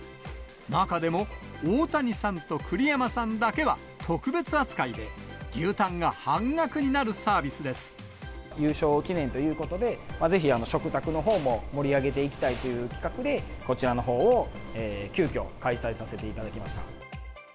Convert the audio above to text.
中でも、大谷さんと栗山さんだけは特別扱いで、優勝記念ということで、ぜひ食卓のほうも盛り上げていきたいという企画で、こちらのほうを急きょ、開催させていただきました。